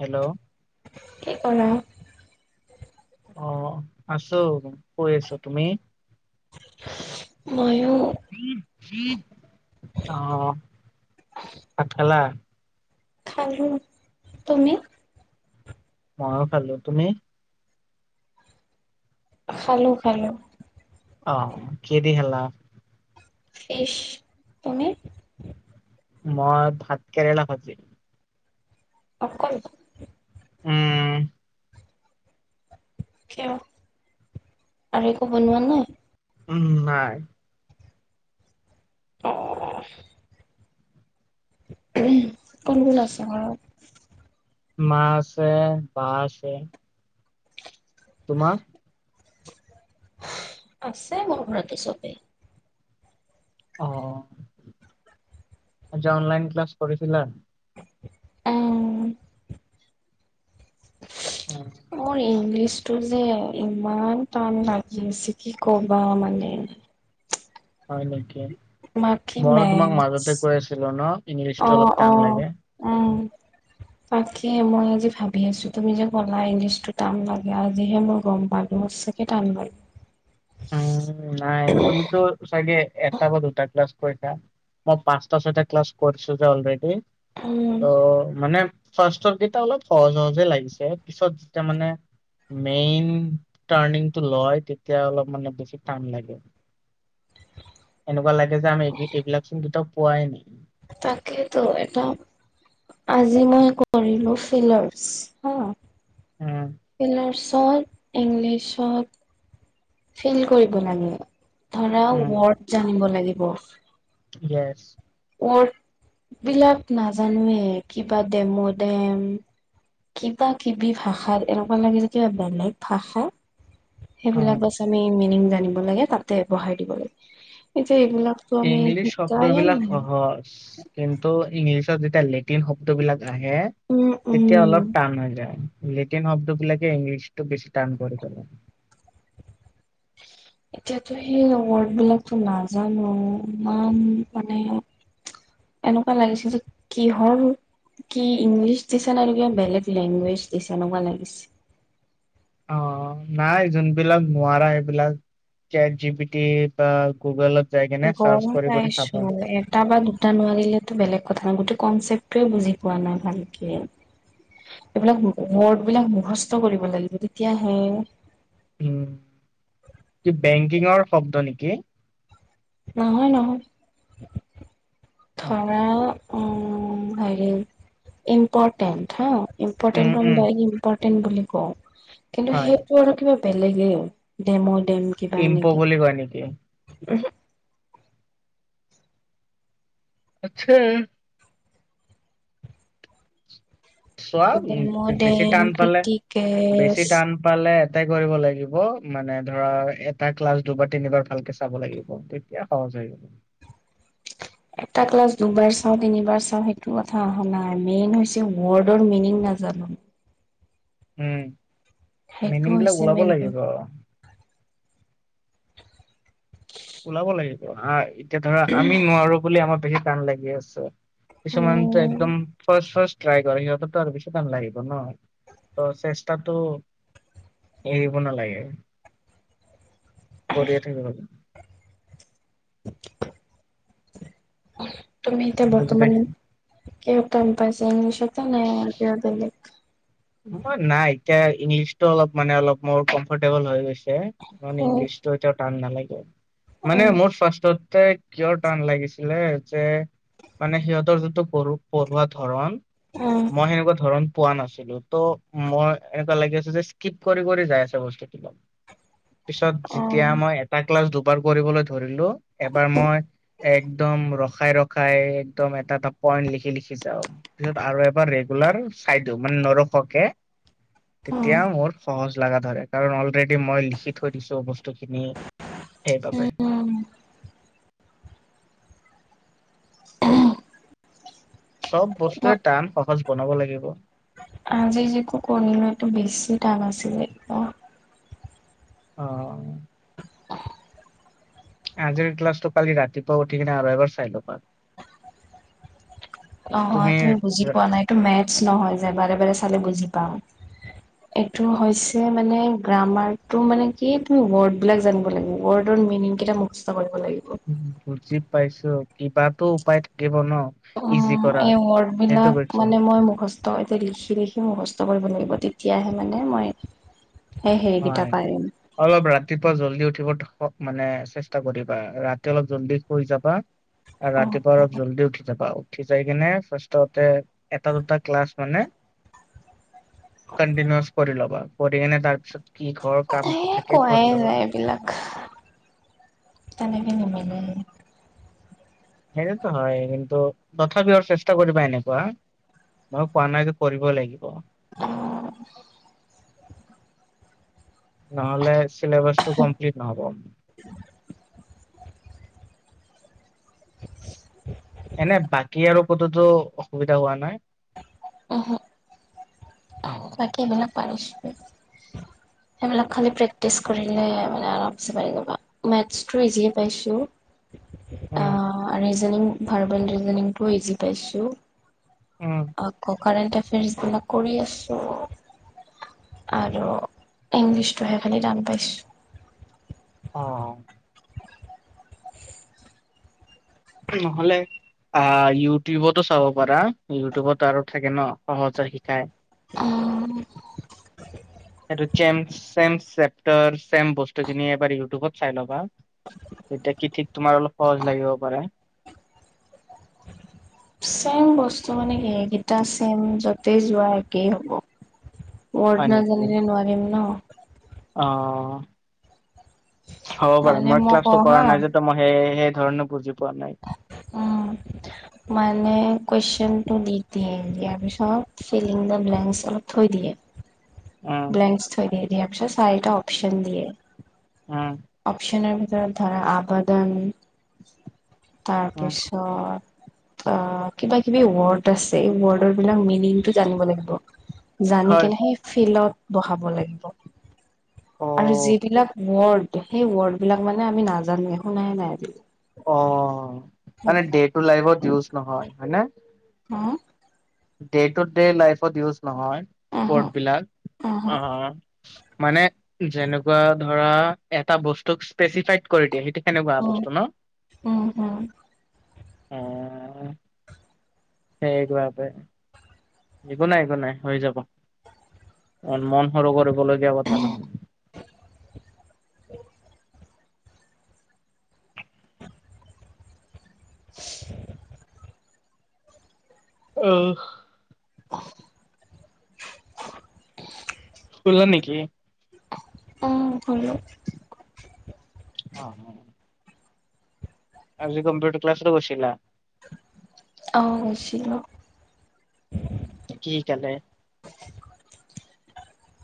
Hello. কি কৰা? অহ, আছোঁ শুই আছোঁ। তুমি? ময়ো। অ', ভাত খালা? খালোঁ তুমি? ময়ো খালো, তুমি? খালোঁ-খালোঁ। অ, কিহেদি খালা? ফিছ, তুমি? মই ভাত কেৰেলা ভাজি। অকল? উম। কিয়? আৰু একো বনোৱা নাই? উম নাই। অ' কোন-কোন আছে ঘৰত? মা আছে, বা আছে। তোমাৰ? আছে মোৰ ঘৰতো চবেই। অ আচ্ছা, অনলাইন ক্লাছ কৰিছিলা? উম, [inaudible] মোৰ ইংলিছটো যে, ইমান টান লাগিছে কি কবা মানে। হয় নেকি? বাকী মইয়ো তোমাক মেথছ মাজতে কৈ আছিলো ন ইংলিছটো অলপ অ', টান অ'। লাগে? উম, [inaudible] তাকে মই আজি ভাবি আছো, তুমি যে ক'লা ইংলিছতো টান লাগে আজিহে মই গ'ম পালো। সঁচাকে টান হয়। উম, নাই তুমিতো চাগে এটা বা দুটা ক্লাছ কৰিছা, মই পাঁচটা, ছয়টা ক্লাছ কৰিছো যে অলৰেডি। উম। অ মানে ফাৰ্ষ্টৰ কেইটা অলপ সহজ, সহজে লাগিছে পিছত যেতিয়া মানে মেইন টাৰ্ণিংটো লয় তেতিয়া অলপ মানে বেছি টান লাগে। এনেকুৱা লাগে যে আমি এই এইবিলাক চোন কেতিয়াও পোৱাই নাই। সেইটো এটা আজি মই কৰিলো ফিলাৰস হা। উম ফিলাৰস [unintelligible] ইংলিছত ফিল কৰিব লাগে। ধৰা উম ৱৰ্ড জানিব লাগিব। য়েছ। ৱৰ্ড বিলাক নাজানোৱে, কিবা ডেমো ডেম। কিবা-কিবি ভাষাৰ, এনেকুৱা লাগে যে কিবা বেলেগ ভাষা। উম সেইবিলাক বাছ আমি মিনিং জানিব লাগে তাতে বহাই দিব লাগে। সেইবিলাকতো আমি শিকাই নাই। হছ, কিন্তু ইংলিছত যেতিয়া লেটিন শব্দ বিলাক ৰাহে, উম উম তেতিয়া অলপ টান হৈ যায়। লেটিন শব্দ বিলাকে ইংলিছটো বেছি টাণ কৰি পেলায়। এতিয়াতো সেই ৱৰ্ড বিলাকতো নাজানো, ইমান মানে এনেকুৱা লাগিছিল, যে কিহৰ কি ইংলিছ দিছে নে কিবা বেলেগ লেংগুৱেজ দিছে এনেকুৱা লাগিছে। অ, নাই যোনবিলাক নোৱাৰা সেইবিলাক চেটজিপিটি বা গুগলত যাই কেনে চাৰ্চ গম কৰি কৰি পাইছো, চাবা। এটা বা দুটা নোৱাৰিলেতো বেলেগ কথা, গোটেই কনচেপ্টোৱে বুজি পোৱা নাই ভালকে। এইবিলাক ৱৰ্ড বিলাক মুখস্থ কৰিব লাগিব তেতিয়াহে। উম, কি বেংকিঙৰ শব্দ নেকি। নহয়, নহয়। অ', ধৰা, উম', হেৰি ইম্পৰ্টেণ্ট হা উম, উম, ইম্পৰ্টেণ্ট, ইম্পৰ্টেণ্ট বুলি কওঁ কিন্তু হয়। সেইটো আৰু কিবা বেলেগে আৰু ডেম, ডেম কিবা ইম্প' এনেকে। বুলি কয় নেকি? তাৰপিছত। আচ্ছা। চোৱা উম, ডেম' বেছি ডেম টান পালে, বেছি ক্ৰিটিকেছ টান পালে এপ্লাই কৰিব লাগিব মানে, ধৰা এটা ক্লাছ দুবাৰ তিনিবাৰ ভালকে চাব লাগিব তেতিয়া সহজ। যায়। এটা ক্লাছ দুবাৰ চাওঁ তিনিবাৰ চাওঁ সেইটো কথা অহা নাই মেইন হৈছে ৱৰ্ডৰ মিনিং নাজা [unintelligible] উম, সেইটো মিনিং বিলাক হৈছে ওলাব মেইন প্ৰব লাগিব। ওলাব লাগিব এতিয়া ধৰা আমি নোৱাৰো বুলি আমাৰ বেছি টান লাগি আছে। কিছুমানটো উম একদম ফাৰ্ষ্ট, ফাৰ্ষ্ট। ট্ৰাই কৰে, সিহঁতো আৰু বেছি টান লাগিব ন, ত চেষ্টাটো এৰিব নালাগে কৰিয়ে থাকিব। তুমি এতিয়া বুজি বৰ্তমান পাইছো। কিহত টান পাইচা, ইংলিছতে নে কিবা বেলেগ। মই, নাই এতিয়া ইংলিছটো অলপ মানে অলপ মোৰ কমফৰ্টেবল হৈ গৈছে। কাৰণ উম ইংলিছটো এতিয়া টান নালাগে, মানে উম মোৰ ফাৰ্ষ্টটে কিয় টান লাগিছিলে, যে মানে সিহঁতৰ, যিটো পঢ়া, পঢ়োৱা ধৰণ মই সেনেকুৱা ধৰণ পোৱা নাছিলোঁ। ত' মই এনেকুৱা লাগি আছে, যে স্কিপ কৰি কৰি যাই আছে বস্তুটো পিছত যেতিয়া উম মই এটা ক্লাছ দুবাৰ কৰিবলৈ ধৰিলোঁ এবাৰ মই একদম একদম ৰখাই ৰখাই একদম এটা এটা পইন্ট লিখি লিখি যাওঁ পিছত আৰু এবাৰ ৰেগুলাৰ [unintelligible] মানে নৰখোৱাকে উম তেতিয়া মোৰ সহজ লগা ধৰে কাৰণ অলৰেডি মই লিখি থৈ দিছোঁ বস্তুখিনি। সেইবাবে উম চব বস্তুৱে মই টান সহজ বনাব লাগিব। আজি যে কৰিলোঁ, এইটো বেছি টান আছিলে [unintelligible] অ'। আজিৰ ক্লাছটো কালি ৰাতিপুৱা উঠি কিনে আৰু এবাৰ চাই ল'বা। অ, হয় তুমি বুজি পোৱা নাই এইটো মেথছ নহয় যে বাৰে বাৰে চালে বুজি পাম। এইটো হৈছে মানে গ্ৰামাৰ টো মানে কি তুমি ৱৰ্ড বিলাক জানিব লাগিব ৱৰ্ডৰ মিনিঙ কেইটা মুখস্থ কৰ উম', বুজি পাইছো কিবাতো উপায় থাকিব ন? ইজি কৰা অ' এই সেইটো ৱৰ্ডবিলাক কৈছো মানে মই মুখস্থ ত' এতিয়া লিখি লিখি মুখস্থ কৰিব লাগিব তেতিয়াহে মানে মই সেই হেৰিকেইটা হয়, পাৰিম। অলপ ৰাতিপুৱা জলদি উঠি উঠিব মানে চেষ্টা কৰিবা ৰাতি অলপ জল্দি শুই যাবা। আৰু ৰাতিপুৱা অলপ জল্দি উঠি যাবা। উঠি যাই কিনে ফাৰ্ষ্টতে এটা দুটা ক্লাছ মানে কন্টিনচ কৰি ল'বা কৰি কেনে তাৰপিছত সে কোৱাই যায় এইবিলাক তেনেকে [inaudible] সেইটোতো হয় কিন্তু তথাপিও চেষ্টা কৰিবা এনেকুৱা মই কোৱা নাই যে কৰিবই লাগিব অ', নহলে চিলেবছটো কমপ্লিট নহব। [inaudible] এনে বাকী আৰু ক'তোতো অসুবিধা হোৱা নাই? অহ। অ', বাকী এইবিলাক পাইছোঁ, এইবিলাক খালি প্ৰেক্টিচ [unintelligible] মানে [unintelligible] মেটজতো ইজিয়ে পাইছোঁ। উম, অ' ৰিজনিং ভাৰ্বেল ৰিজনিংটো ইজি পাইছোঁ। উম, আকৌ কাৰেন্ট এফেৰিয়ান্ছ বিলাক কৰি আছোঁ। আৰু ইংলিছটো সেই খালি টান পাইছোঁ। অ', অ'। নহ'লে অ' ইউটিউবতো চাব পাৰা ইউটিউবতো আৰু থাকে ন' সহজে শিকাই। অ'। সেইটো চেম চেম চেপটাৰ চেম বস্তুখিনি এবাৰ ইউটিউবত চাই ল'বা। তেতিয়া কি ঠিক তোমাৰ অলপ সহজ লাগিব পাৰে। চেম বস্তু মানে কি এইকেইটা চেম য'তেই যোৱা একেই হ'ব। ৱৰ্ড হয় নেকি নাজানিলে নোৱাৰিম ন'। অ' হ'ব পাৰেু মানে মই ক্লাছটো কওঁ কৰা হা নাই যে মই সেয়ে সেই ধৰণে বুজি পোৱা নাই। উম। মানে কুৱেশ্যনটো দি দিয়ে দিয়াৰ পিছত ফিলিং দা ব্লেংছ অলপ থৈ দিয়ে। [inaudible] ব্লেংছ থৈ দিয়ে, দিয়াৰ পিছত চাৰিটা অপ্চন দিয়ে, উম অপ্চনৰ [unintelligible] ধৰা আবাদন, উম তাৰপিছত অ' কিবা কিবি ৱৰ্ড আছে এই ৱৰ্ডৰ বিলাক মিনিংটো জানিব লাগিব, জানি হয় কেনে সেই ফিলত বহাব লাগিব। অ আৰু যিবিলাক ৱৰ্ড সেই ৱৰ্ড বিলাক মানে আমি নাজানোৱে শুনাই নাই আজিলৈকে। অ' মানে ডে টু লাগিব ডিইউজ নহয় হয় নে। হা? ডে টু ডে লাইফত ইউজ নহয় উহু ৱৰ্ডবিলাক উহু অ'। মানে যেনেকুৱা ধৰা এটা বস্তুক স্পেচিফাইড কৰি দিয়ে সেইটো সেনেকুৱা উম বস্তু ন'। উম হুম অ' [unintelligible] একো নাই একো নাই হৈ যাব। মন সৰু কৰিবলগীয়া কথা নহয়। [inaudible] [unintelligible] অ'। [unintelligible] শুলা নেকি? অ' শুলো। অ'। আজি কম্পিউটাৰ ক্লাছো গৈছিলা। অ' গৈছিলোঁ। কি শিকালে?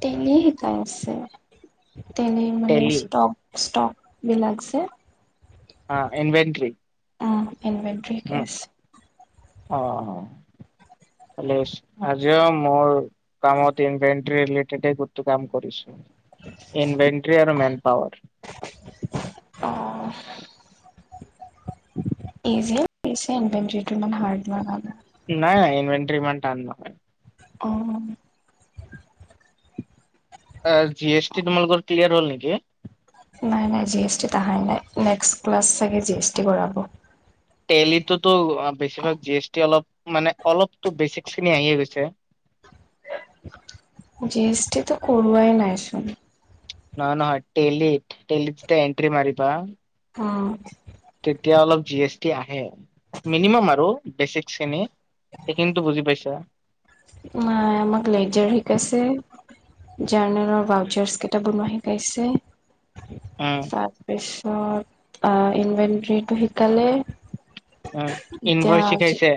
টেলিয়ে শিকাই আছে, টেলি মানে টেলি ষ্টক ষ্টক বিলাক যে। অ' ইনভেনট্ৰি। অ' ইনভেনট্ৰি শিকাই আছে। অ', অ'। [unintelligible] আজিও মোৰ কামত ইনভেনট্ৰি ৰিলেটেটে [unintelligible] কৰিছোঁ। ইনভেনট্ৰি আৰু মেন পাৱাৰ। অ' [unintelligible] ইজিয়ে লাগিছে এনেনটিটো ইমান হাৰ্ডৱে নাই ইনভেণ্টি ইমান টান নহয়। অ'। আ, জি এছ টি তোমালোকৰ ক্লিয়াৰ হ'ল নেকি? নাই নাই জি এছ টিত আহাই নাই, নেক্সট ক্লাছ চাগে জি এছ টি কৰাব। টেলিতোতো বেছিভাগ জি এছ টি অলপ মানে অলপ বেচিকখিনি আহিয়ে গৈছে। [inaudible] জি এছ টিতো কৰোৱাই নাই চুন। নহয় নহয় টেলি টেলিতে এণ্ট্ৰি মাৰিবা অ'। তেতিয়া অলপ জি এছ টি আহে, মিনিমাম আৰু বেচিকখিনি সেইখিনি বুজি পাইছা। নাই আমাক লেইজাৰ শিকাইছে। জাৰ্নেলৰ বাউচাৰ্ছকেইটা বনোৱা শিকাইছে। উম তাৰপিছত আ, ইনভেন্টাৰিটো শিকালে। অ' এতিয়া ইনভাৰচি শিকাইছে?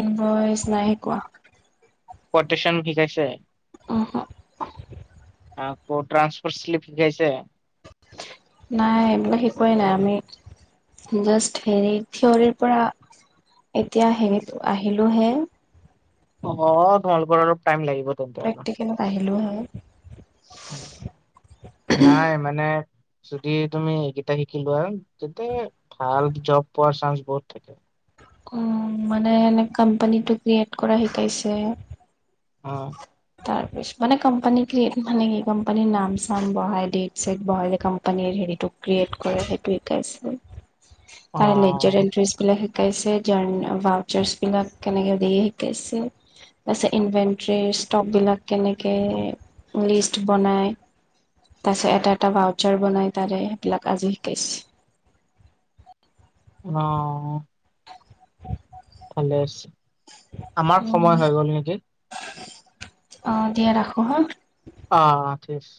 ইনভইচ নাই শিকোৱা। পটট্ৰেচন শিকাইছে। [unintelligible] আকৌ ট্ৰান্সফৰস্লি শিকাইছে? নাই এইবিলাক শিকোৱাই নাই আমি জাষ্ট হেৰি থিয়ৰিৰপৰা এতিয়া সে আহিলোঁ হে। অ' তোমালোকৰ অলপ টাইম লাগিব। তেন্তে আৰু প্ৰেক্টিকেলত আহিলোঁ হয়। নাই মানে যদি তুমি এইকেইটা শিকি লোৱা, তাতে ভাল জব পোৱাৰ চান্স বহুত থাকে। উম, মানে এনে কোম্পানীটো ক্ৰিয়েট কৰা শিকাইছে। অ'। তাৰপিছ মানে কোম্পানী মানে কি কোম্পানীৰ নাম চাম বহাই, ডেট চেট বহাই কোম্পানিৰ হেৰিটো ক্ৰিয়েট কৰে সেইটো শিকাইছে, তাৰে অ লেজাৰ এটষ্টবিলাক শিকাইছে, জাৰ ভাউচাৰ্চবিলাক কেনেকে দিয়ে শিকাইছে। তাৰপিছত ইনভেনটৰীৰ ষ্টকবিলাক কেনেকে লিষ্ট বনাই তাৰপিছত এটা এটা ভাউচাৰ বনাই তাৰে সেইবিলাক আজি শিকাইছে। অ'। ভালে আছে। আমাৰ সময় হৈ গল নেকি? অ' দিয়া ৰাখো হা। অ', অ' ঠিক আছে।